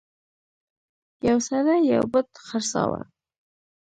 یو سړي یو بت خرڅاوه.